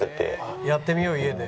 やってみよう家で。